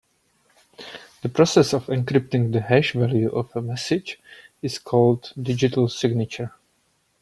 The process of encrypting the hash value of a message is called digital signature.